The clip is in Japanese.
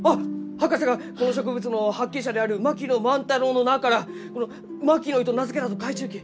博士がこの植物の発見者である槙野万太郎の名からこの「マキノイ」と名付けたと書いちゅうき。